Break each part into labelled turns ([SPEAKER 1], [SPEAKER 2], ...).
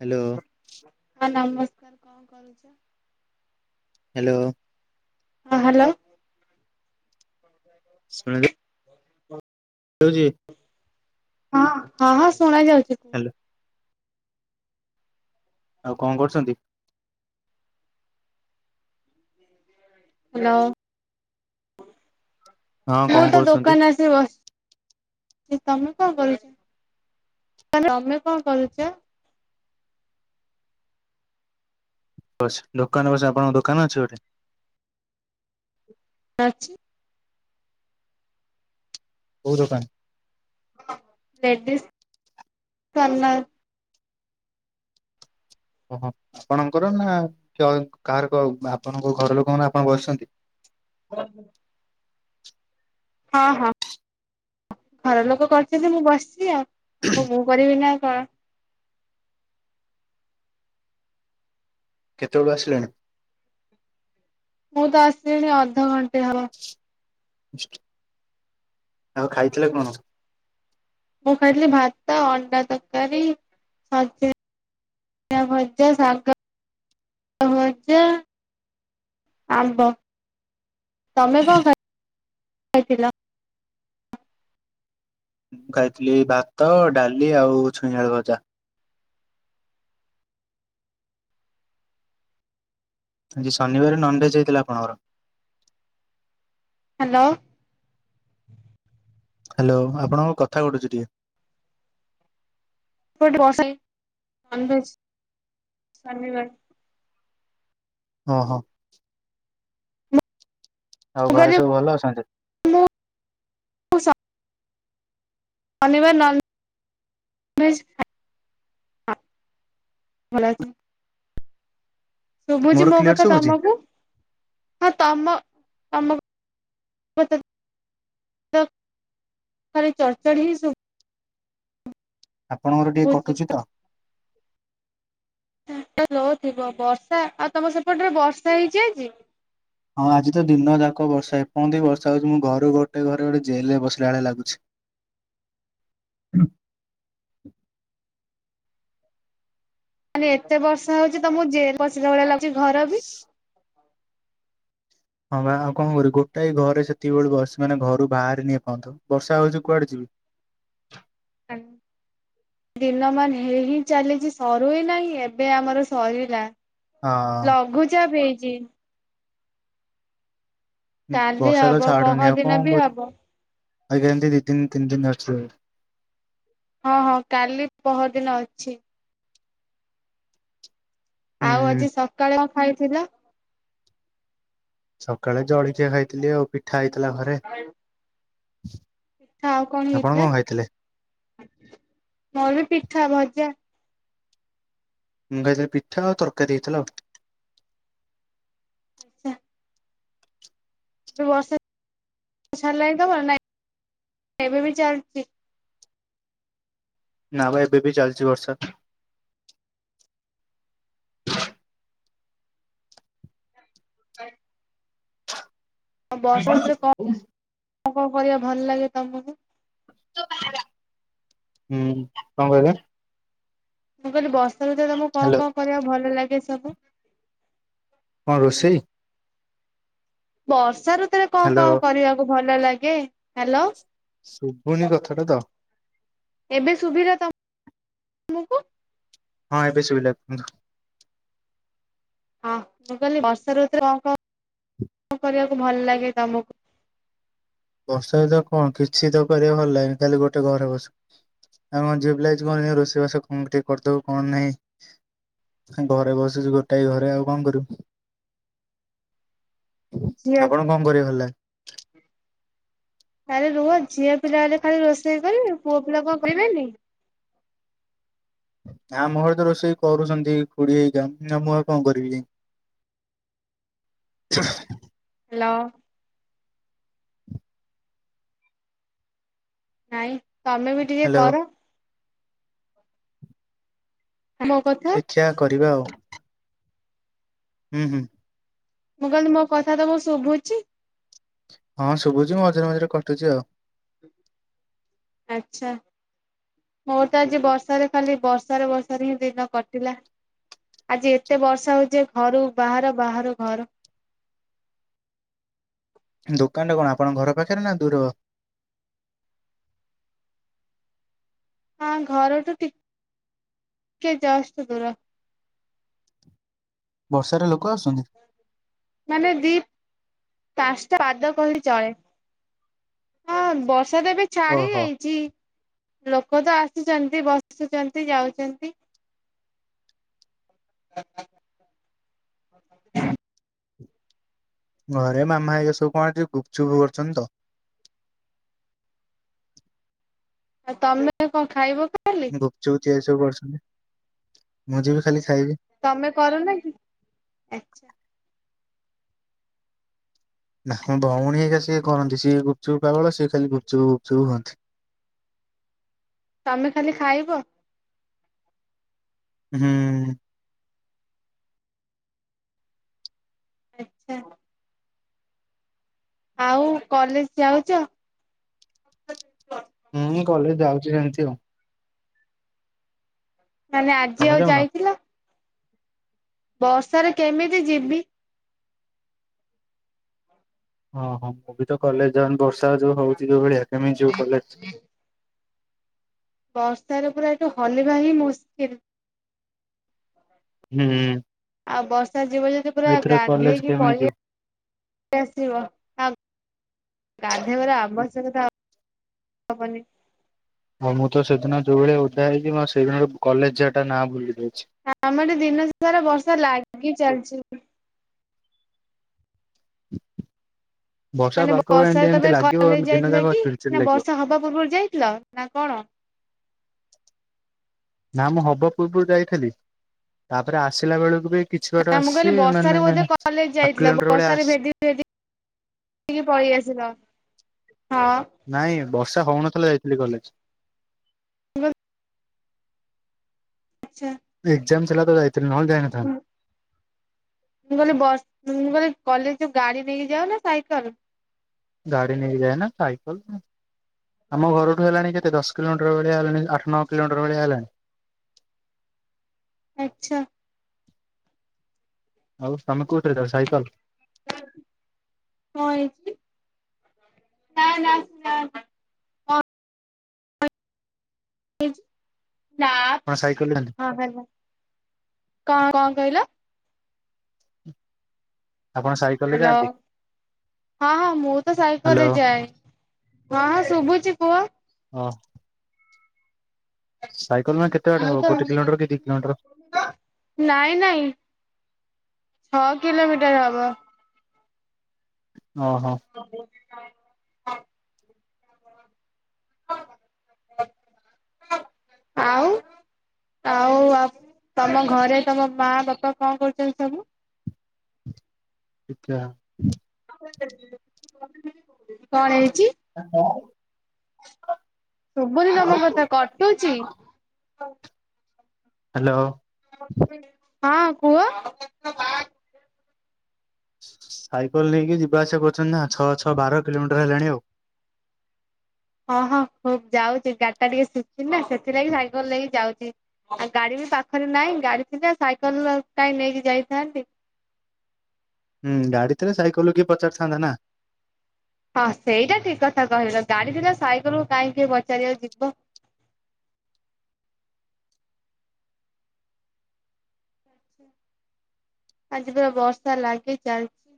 [SPEAKER 1] Hello.
[SPEAKER 2] ଉପକାର କଣ କରୁଛ?
[SPEAKER 1] ହ୍ୟାଲୋ।
[SPEAKER 2] ହଁ ହ୍ୟାଲୋ।
[SPEAKER 1] ଶୁଣାଯାଉ
[SPEAKER 2] ହ ହ
[SPEAKER 1] [unintelligible]
[SPEAKER 2] ହଁ ହଁ ହଁ ଶୁଣା ଯାଉଛି କୁହ।
[SPEAKER 1] ହ୍ୟାଲୋ ଆଉ କଣ କରୁଛନ୍ତି?
[SPEAKER 2] ହ୍ୟାଲୋ
[SPEAKER 1] ହଁ
[SPEAKER 2] ମୁଁ
[SPEAKER 1] କଣ
[SPEAKER 2] ତ
[SPEAKER 1] କରୁଛନ୍ତି?
[SPEAKER 2] ଦୋକାନ ଆସି ବସ୍ ତମେ କଣ କରୁଛ ତମେ କଣ କରୁଛ?
[SPEAKER 1] ବ ଦୋକାନ ବସ ଆପଣଙ୍କ ଦୋକାନ ଅଛି ଗୋଟେ।
[SPEAKER 2] [unintelligible]
[SPEAKER 1] କୋଉ ଦୋକାନ?
[SPEAKER 2] Ladies corner.
[SPEAKER 1] ଓହୋ ଆପଣଙ୍କର ନା କାହାର ଆପଣଙ୍କ ଘର ଲୋକମାନେ ଆପଣ ବସିଛନ୍ତି?
[SPEAKER 2] [inaudible] ହଁ ହଁ। ଘର ଲୋକ କରିଛନ୍ତି ମୁଁ ବସିଛି ଆଉ ଆ ମୁଁ କରିବି ନା କଣ?
[SPEAKER 1] କେତେବେଳୁ ଆସିଲେଣି?
[SPEAKER 2] ମୁଁ ତ ଆସିଣି ଅଧଘଣ୍ଟେ ହବ।
[SPEAKER 1] ଆଉ ଖାଇଥିଲେ କଣ?
[SPEAKER 2] ମୁଁ ଖାଇଥିଲି ଭାତ, ଅଣ୍ଡା ତରକାରୀ, ଭଜା। ଜା ଶାଗ ଭଜା। ଆମ୍ବ ତମେ କଣ ଖାଇ ଖାଇଥିଲ?
[SPEAKER 1] ମୁଁ ଖାଇଥିଲି ଭାତ ଡାଲି ଆଉ ଛୁଇଁଆଳୁ ଭଜା। ଆଜି ଶନିବାର ନନଭେଜ ହେଇଥିଲା ଆପଣଙ୍କର।
[SPEAKER 2] ଲୋ।
[SPEAKER 1] ହ୍ୟାଲୋ ଆପଣଙ୍କ କଥା କଟୁଛି ଟିକେ।
[SPEAKER 2] [unintelligible]
[SPEAKER 1] ହଁ ହଁ। ଆଉ ଘରେ
[SPEAKER 2] କହିଲି
[SPEAKER 1] ସବୁ ଭଲ ଅଛନ୍ତି।
[SPEAKER 2] ମୁଁ ମୁଁ ସ ଶନିବାର ନନ। [inaudible] ଶୁଭୁଛି
[SPEAKER 1] ମୋର
[SPEAKER 2] ମୋ
[SPEAKER 1] କ୍ଲିୟର
[SPEAKER 2] କଥା
[SPEAKER 1] ଶୁଭୁଛି
[SPEAKER 2] ତମକୁ। ତମ ତମ କତା ତ ଖାଲି ଚଢ ଚଢ଼ି ହିଁ ଶୁଭୁଛି।
[SPEAKER 1] ଆପଣଙ୍କର ଟିକେ କଟୁଛି ତ।
[SPEAKER 2] ନେଟୱକ ଲୋଓ ଥିବ ବର୍ଷା ଆଉ ତମ ସେପଟରେ ବର୍ଷା ହେଇଛି ଆଜି।
[SPEAKER 1] ହଁ ଆଜି ତ ଦିନ ଯାକ ବର୍ଷା ଏ ପହନ୍ତେ ବି ବର୍ଷା ହେଉଛି ମୁଁ ଘରୁ ଗୋଟେ ଘରେ ଗୋଟେ ଜେଲ ରେ ବସିଲା ଭଳିଆ ଲାଗୁଛି।
[SPEAKER 2] [inaudible]
[SPEAKER 1] ହ
[SPEAKER 2] ମାନେ ଏତେ ବର୍ଷା ହଉଚି ତମକୁ ଜେଲରେ ବସିଲା ଭଳିଆ ଲାଗୁଚି ଘର ବି?
[SPEAKER 1] ହଁ ବା ଆଉ କଣ କରିବି ଗୋଟାଏ ଘରେ ସେତିକି ବେଳୁ ବସି ମାନେ ଘରୁ ବାହାରିନି ଏ ପର୍ଯ୍ୟନ୍ତ ବର୍ଷା ହଉଚି କୁଆଡେ ଯିବି?
[SPEAKER 2] ଆଗ ଦିନ ମାନ ହେଇ ହେଇ ଚାଲିଚି ସରୁ ହିଁ ନାହିଁ ଏବେ ଆମର ସରିଲା।
[SPEAKER 1] ହଁ
[SPEAKER 2] ଲଘୁଚାପ ହେଇଚି।
[SPEAKER 1] ହୁଁ
[SPEAKER 2] କାଲି
[SPEAKER 1] ବର୍ଷା ତ
[SPEAKER 2] ହବ
[SPEAKER 1] ଛାଡୁନି
[SPEAKER 2] ପହର
[SPEAKER 1] ଆଉ
[SPEAKER 2] ଦିନ
[SPEAKER 1] କଣ
[SPEAKER 2] ବି
[SPEAKER 1] କରି
[SPEAKER 2] ହବ।
[SPEAKER 1] ଆଜ୍ଞା ଏମିତି ଦୁଇ ଦିନି ତିନି ଦିନି ଅଛି ଆହୁରି।
[SPEAKER 2] ହଁ ହଁ କାଲି ପହର ଦିନ ଅଛି।
[SPEAKER 1] ହୁଁ
[SPEAKER 2] ଆଉ ଆଜି ସକାଳେ ଖାଇଥିଲ
[SPEAKER 1] ସକାଳେ ଜଳଖିଆ ଖାଇଥିଲି ଆଉ, ପିଠା ହେଇଥିଲା ଘରେ।
[SPEAKER 2] ପିଠା ଆଉ କଣ
[SPEAKER 1] ଆପଣ
[SPEAKER 2] ହେଇଥିଲା?
[SPEAKER 1] ଖାଇଥିଲେ?
[SPEAKER 2] ମୋର ବି ପିଠା ଭଜା।
[SPEAKER 1] ଜ ରେ ପିଠା ଆଉ ତରକାରି ହେଇଥିଲା ଆଉ।
[SPEAKER 2] ଆଚ୍ଛା। ଏ ବର୍ଷା ଛାଡିଲାଣି ତମର ନା ଏବେ ବି ଚାଲିଚି?
[SPEAKER 1] ନାବା ଏବେ ବି ଚାଲିଚି ବର୍ଷା।
[SPEAKER 2] [inaudible]
[SPEAKER 1] ଆ
[SPEAKER 2] ବର୍ଷା ଋତୁରେ
[SPEAKER 1] [unintelligible]
[SPEAKER 2] କଣ କଣ କରିବା ଭଲ ଲାଗେ ତମକୁ?
[SPEAKER 1] ହୁଁ କଣ କହିଲ?
[SPEAKER 2] ମୁଁ କହିଲି ବର୍ଷା ଋତୁ ରେ ତମକୁ କଣ
[SPEAKER 1] ହ୍ୟାଲୋ
[SPEAKER 2] କଣ କରିବାକୁ ଭଲ ଲାଗେ ସବୁ?
[SPEAKER 1] କଣ ରୋଷେଇ?
[SPEAKER 2] ବର୍ଷା ଋତୁ ରେ କଣ
[SPEAKER 1] ହ୍ୟାଲୋ
[SPEAKER 2] କଣ କରିବାକୁ ଭଲ ଲାଗେ ହାଲୋ।
[SPEAKER 1] ଶୁଭୁନି କଥାଟା ତ।
[SPEAKER 2] ଏବେ ଶୁଭିଲା ତ ମକୁ?
[SPEAKER 1] ହଁ ଏବେ ସୁବିିଲା କୁ
[SPEAKER 2] ହଁ ମୁଁ କହିଲି ବର୍ଷା ଋତୁ ରେ କଣ କଣ କଣ କରିବାକୁ ଭଲ ଲାଗେ ତମକୁ?
[SPEAKER 1] ବର୍ଷା ଦିନ ରେ କଣ କିଛି ତ କରିବାକୁ ଭଲ ଲାଗେନି ଖାଲି ଗୋଟେ ଘରେ ବସ। ଆମେ କଣ ଝିଅ ପିଲା ହେଇଚୁ କଣ ରୋଷେଇବାସ କଣ ଟିକେ କରିଦବୁ କଣ ନାହିଁ। ଘରେ ବସିଚୁ ଗୋଟାଏ ଘରେ ଆଉ କଣ କରିବୁ?
[SPEAKER 2] [inaudible] ଝିଅ
[SPEAKER 1] ଆପଣଙ୍କୁ କଣ କରିଵାକୁ ଭଲ ଲାଗେ?
[SPEAKER 2] ଆରେ ରୁହ ଝିଅ ପିଲା ହେଲେ ଖାଲି କଣ ରୋଷେଇ କରିବେ ପୁଅ ପିଲା କଣ କରିବେନି? [unintelligible]
[SPEAKER 1] ଆମ ଘରେ ତ ରୋଷେଇ କରୁଛନ୍ତି ଖୁଡି ହରିକା ନା ମୁଁ ଆ କଣ କରିବି ଯାଇକି? [inaudible]
[SPEAKER 2] ହେଲଅ। ନାଇଁ ତମେ ବି ଟିକେ
[SPEAKER 1] ହ୍ୟାଲୋ
[SPEAKER 2] କର। ମୋ କଥା।
[SPEAKER 1] ଦେଖିବା କରିବା ଆଉ। ହୁଁ ହୁଁ।
[SPEAKER 2] ମୁଁ କହିଲି ମୋ କଥା ତମକୁ ଶୁଭୁଚି?
[SPEAKER 1] ହଁ ଶୁଭୁଚି ମଝିରେ ମଝିରେ କଟୁଛି ଆଉ।
[SPEAKER 2] ଆଛା। ମୋର ତ ଆଜି ବର୍ଷାରେ ଖାଲି ବର୍ଷାରେ ବର୍ଷାରେ ହିଁ ଦିନ କଟିଲା। ଆଜି ଏତେ ବର୍ଷା ହଉଚି ଯେ ଘରୁ ବାହାର ବାହାରୁ ଘର। [inaudible]
[SPEAKER 1] ଦୋକାନଟା କଣ ଆପଣଙ୍କ ଘର ପାଖରେ ନା ଦୂର?
[SPEAKER 2] ହଁ ଘରଠୁ ଟି କେ ଯଷ୍ଟ ଦୁର।
[SPEAKER 1] ବର୍ଷାରେ ଲୋକ ଆସୁଛନ୍ତି?
[SPEAKER 2] ମାନେ ଦୀ ପାସ୍ତା ବାଦ କହିଲେ ଚଳେ। ହଁ ବର୍ଷା ତ ଏବେ ଛାଡି
[SPEAKER 1] ଓହୋ
[SPEAKER 2] ଯାଇଛି ଲୋକ ତ ଆ ଜଲ୍ଦି ବସୁଛନ୍ତି ଯାଉଛନ୍ତି। [unintelligible]
[SPEAKER 1] ଘରେ ମାମା ଏଇରା ସବୁ କଣ ଆଜି ଗୁପଚୁପ କରୁଛନ୍ତି ତ।
[SPEAKER 2] ଆଉ ତମେ କଣ ଖାଇବ କି?
[SPEAKER 1] ଗୁପଚୁପ ତିଆରି ସବୁ କରଛନ୍ତି ମୁଁ ଯିବି ଖାଲି ଖାଇବି
[SPEAKER 2] ତମେ କରୁନ କିି ଆଚ୍ଛା।
[SPEAKER 1] ନା ମ ଭଉଣୀ ହେଇକା ସିଏ କରନ୍ତି ସିଏ ଗୁପଚୁପ ପାଗଳ ସିଏ ଖାଲି ଗୁପଚୁପ ଗୁପଚୁପ ହୁଅନ୍ତି।
[SPEAKER 2] ତମେ ଖାଲି ଖାଇବ?
[SPEAKER 1] ହୁଁ।
[SPEAKER 2] ଆଚ୍ଛା। ଆଉ କଲେଜ ଯାଉଚ?
[SPEAKER 1] ହୁଁ କଲେଜ ଯାଉଛି ସେମିତି ଆଉ।
[SPEAKER 2] ମାନେ ଆଜି
[SPEAKER 1] ତମେ
[SPEAKER 2] ଆଉ
[SPEAKER 1] ଯାଉନ?
[SPEAKER 2] ଯାଇଥିଲ? ବର୍ଷାରେ କେମିତି ଯିବି?
[SPEAKER 1] ଓହୋ ହଁ ମୁଁ ବି ତ କଲେଜ ଯାଉନି ବର୍ଷା ଯୋଉ ହଉଛି ଯୋଉ ଭଳିଆ କେମିତି ଯିବୁ କଲେଜ।
[SPEAKER 2] ବର୍ଷାରେ ପୁରା ଏଇଠୁ ହଲିବା ହିଁ ମୁସ୍କିଲ।
[SPEAKER 1] ହୁଁ।
[SPEAKER 2] ଆଉ ବର୍ଷା ଯିବ ଯଦି ପୁରା
[SPEAKER 1] ଏଥର କଲେଜ
[SPEAKER 2] ଗାଧେଇକି
[SPEAKER 1] କେମିତି
[SPEAKER 2] ପଳେଇ
[SPEAKER 1] ଯିବୁ?
[SPEAKER 2] ଆସିବ ଗାଧବରେ ଆବଶ [unintelligible] ହବନି।
[SPEAKER 1] ହଉ ମୁଁ ତ ସେଦିନ ଯୋଉ ଭଳିଆ ଓଦା ହେଇଛି ମୁଁ ସେଇଦିନ କଲେଜ ଯିବାଟା ନାଁ ଭୁଲି ଯାଇଛି।
[SPEAKER 2] ଆମର ଦିନ ସାରା ବର୍ଷା ଲାଗି ଚାଲିଛି।
[SPEAKER 1] ବର୍ଷା
[SPEAKER 2] ମାନେ
[SPEAKER 1] ପାଗ ଏମିତି
[SPEAKER 2] ବର୍ଷାରେ
[SPEAKER 1] ଏମିତି
[SPEAKER 2] ତମେ
[SPEAKER 1] ଲାଗିବ
[SPEAKER 2] କଲେଜ
[SPEAKER 1] ଦିନ
[SPEAKER 2] ଯାଇଥିଲ
[SPEAKER 1] ଯାକ
[SPEAKER 2] କି
[SPEAKER 1] ଚିଡ୍ ଚିଡ୍
[SPEAKER 2] ନା
[SPEAKER 1] ଲାଗିବ
[SPEAKER 2] ବର୍ଷା ହବା ପୂର୍ବରୁ ଯାଇଥିଲ ନା କଣ?
[SPEAKER 1] ନା ମୁଁ ହବା ପୂର୍ବରୁ ଯାଇଥିଲି ତାପରେ ଆସିଲା ବେଳକୁ ବି କିଛି ବାଟ
[SPEAKER 2] ନା ମୁଁ
[SPEAKER 1] ଆସିଛି
[SPEAKER 2] କହିଲି ବର୍ଷାରେ
[SPEAKER 1] ମାନେ
[SPEAKER 2] ବୋଧେ କଲେଜ
[SPEAKER 1] ହାଫ୍
[SPEAKER 2] ଯାଇଥିଲା
[SPEAKER 1] କିଲୋମିଟର ଭଳିଆ
[SPEAKER 2] ବର୍ଷାରେ
[SPEAKER 1] ଆସିଛି।
[SPEAKER 2] ଭେଜି ଭେଜି ଟିକେ ପଳେଇ ଆସିଲ ହଁ।
[SPEAKER 1] ନାଇଁ ବର୍ଷା ହଉନଥିଲା ଯାଇଥିଲି କଲେଜ।
[SPEAKER 2] ମାନେ
[SPEAKER 1] ଏକ୍ସଜାମ ଥିଲା ତ ଯାଇନି।
[SPEAKER 2] ମୁଁ କହିଲି ବସ ମୁଁ କହିଲି କଲେଜ ଯୋ ଗାଡି ନେଇକି ଯାଅ ନା ସାଇକଲ?
[SPEAKER 1] ଗାଡି ନେଇକ ଯାଇ ନା ସାଇକଲ। ଆମ ଘରଠୁ ହେଲାଣି କେତେ ଦଶ କିଲୋମିଟର ଭଳିଆ ହେଲାଣି ଆଠ ନଅ କିଲୋମିଟର ଭଳିଆ ହେଲାଣି।
[SPEAKER 2] ଆଚ୍ଛା।
[SPEAKER 1] ଆଉ ତମେ କୋଉଥିରେ ଯାଅ ସାଇକେଲ।
[SPEAKER 2] ନାଇଁ ନାଇଁ ନାଇଁ ନାଇଁ। [unintelligible] ନା
[SPEAKER 1] ଆପଣ ସାଇକେଲରେ ଯାଆନ୍ତି
[SPEAKER 2] ହଁ ହାଲୋ କଣ କହିଲ?
[SPEAKER 1] ହ [inaudible]
[SPEAKER 2] ହ୍ୟାଲୋ ହଁ ହଁ ମୁଁ ତ
[SPEAKER 1] ହ୍ୟାଲୋ
[SPEAKER 2] ସାଇକଲରେ ଯାଏ। ହଁ ହଁ ଶୁଭୁଛି କୁହ?
[SPEAKER 1] ହଁ। କେତେ ବାଟ ହବ
[SPEAKER 2] ମୁଁତ
[SPEAKER 1] ଗୋଟେ କିଲୋମିଟର କି ଦି କିଲୋମିଟର
[SPEAKER 2] ନାଇଁ ନାଇଁ। ଛଅ କିଲୋମିଟର ହବ।
[SPEAKER 1] ଓ ହୋ।
[SPEAKER 2] [inaudible] ଆଉ ଆଉ ତମ ଘରେ ତମ ମା ବାପା କଣ କରୁଛନ୍ତି ସବୁ।
[SPEAKER 1] ଆଛା
[SPEAKER 2] କଣ ହେଇଛି?
[SPEAKER 1] [inaudible]
[SPEAKER 2] ଶୁଭୁନି ତମ କଥା କଟୁଚ?
[SPEAKER 1] ହ୍ୟାଲୋ!
[SPEAKER 2] ହଁ କୁହ!
[SPEAKER 1] ସାଇକେଲ ନେଇକି ଯିବା ଆସିବା କରୁଛନ୍ତି ନା ଛଅ ଛଅ ବାର କିଲୋମିଟର ହେଲାଣି ଆଉ।
[SPEAKER 2] [inaudible] ହଁ ହଁ ହୁବ ଯାଉଛି ଗାଡି ଟା ଟିକେ ଶୁଖିନି ନା ସେଥିଲାଗି ସାଇକେଲ ନେଇକି ଯାଉଛି ଆଉ ଗାଡି ପାଖରେ ନାଇଁ ଗାଡି ଥିଲା ସାଇକେଲ କାହିଁ ନେଇକି ଯାଇଥାନ୍ତି?
[SPEAKER 1] ହୁଁ ଗାଡି ରେ ସାଇକେଲରୁ କିଏ ପଚାରିଥାନ୍ତା ନା!
[SPEAKER 2] ହଁ ସେଇଟା ଠିକ କଥା କହିଲ ଗାଡି ଥିଲା ସାଇକେଲରୁୁ କାହିଁକି ପଚାରିବା ଯିବ? [inaudible] ଆଜି ପୁରା ବର୍ଷା ଲାଗି ଚାଲିଛି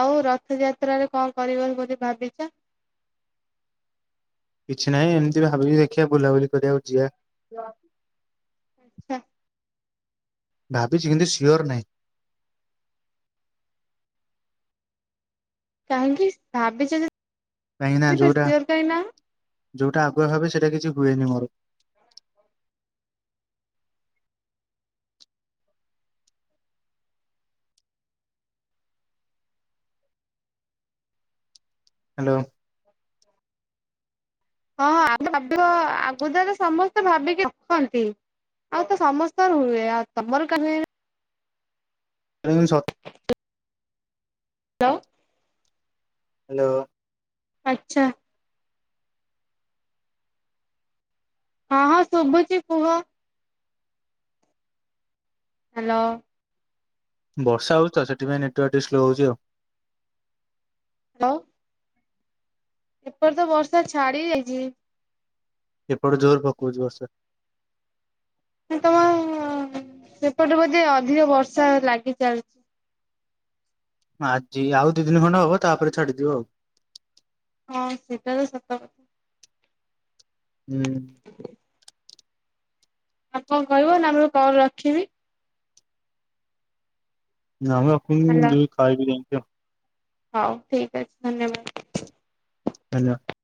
[SPEAKER 2] ଆଉ ରଥଯାତ୍ରାରେ କଣ କରିବ ବୋଲି ଭାବିଛ? [inaudible]
[SPEAKER 1] କିଛି ନାହିଁ ଏମିତି ଭାବିକି ଦେଖିବା ବୁଲାବୁଲି କରିବାକୁ ଯିବା।
[SPEAKER 2] [unintelligible]
[SPEAKER 1] ଭାବିଛି କିନ୍ତୁ ସିଓର ନାହିଁ।
[SPEAKER 2] କହିଁକି ଭାବି
[SPEAKER 1] କାହିଁକି ନା ଯୋଉଟା
[SPEAKER 2] ସିଓର କହି ନାଅ
[SPEAKER 1] ଯୋଉଟା ଆଗୁଆ ଭାବେ ସେଇଟା କିଛି ହୁଏନି ମୋର ହ୍ୟାଲୋ!
[SPEAKER 2] ହ [inaudible] ହଁ ହଁ ଭାବ ଆଗ ଯ ତ ସମସ୍ତେ ଭାବିକି ରଖନ୍ତି। ଆଉ ତ ସମସ୍ତଙ୍କ ହୁଏ ଆଉ ତମର କା
[SPEAKER 1] ଟ୍ରେନ୍ ସ
[SPEAKER 2] ହ୍ୟାଲୋ!
[SPEAKER 1] ହ୍ୟାଲୋ!
[SPEAKER 2] ଆଛା ହ ହଁ ଶବୁଛି କୁହ! ହ୍ୟାଲୋ!
[SPEAKER 1] ବର୍ଷା ହଉଛି ତ ସେଥିପାଇଁ ନେଟୱାର୍କ ଟ ସ୍ଲୋ ହଉଛି ଆଉ।
[SPEAKER 2] ହ୍ୟାଲୋ! ଏପର ତ ବର୍ଷା ଛାଡ଼ି ରାଇଛି
[SPEAKER 1] ଏପ ଜୋର ଫକବ ଯ ଅସ
[SPEAKER 2] [unintelligible] ସେପଟେ ବୋଧେ ଅଧିକ ବର୍ଷା ଲାଗି ଚାଲଛି
[SPEAKER 1] ଆଜି ଆଉ ଦି ଦିନ ଖଣ୍ଡ ହବ ତାପରେ ଛାଡିଦିବ ଆଉ।
[SPEAKER 2] ହଁ ସେଇଟା ତ ସତ କଥା।
[SPEAKER 1] ହୁଁ
[SPEAKER 2] ଆଉ କଣ କହିବ ନାମ କଲ ରଖିବି।
[SPEAKER 1] ଆମେ ଏ
[SPEAKER 2] ହେଲା
[SPEAKER 1] ଯଦି ଖାଇକି ଜଣିଛ
[SPEAKER 2] ହଉ ଠିକ ଅଛି ଧନ୍ୟବାଦ।
[SPEAKER 1] ହେଲା!